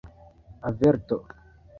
averto